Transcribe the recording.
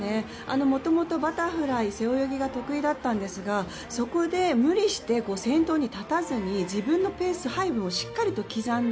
もともとバタフライ、背泳ぎが得意だったんですがそこで、無理して先頭に立たずに自分のペース配分をしっかり刻んだ。